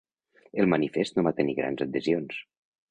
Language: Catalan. El manifest no va tenir grans adhesions.